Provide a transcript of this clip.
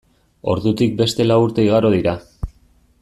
Ordutik beste lau urte igaro dira.